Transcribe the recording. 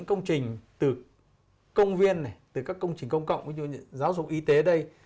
những công trình từ công viên này từ các công trình công cộng ví dụ như giáo dục y tế đây